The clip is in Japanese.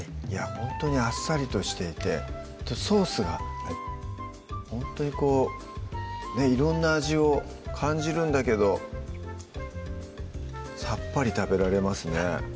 ほんとにあっさりとしていてソースがほんとにこう色んな味を感じるんだけどさっぱり食べられますね